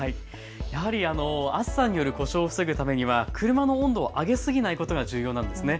やはり暑さによる故障を防ぐためには車の温度を上げすぎないことが重要なんですね。